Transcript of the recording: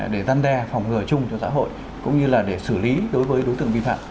để răn đe phòng ngừa chung cho xã hội cũng như là để xử lý đối với đối tượng vi phạm